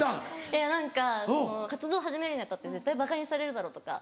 いや何か活動始めるに当たって絶対ばかにされるだろうとか。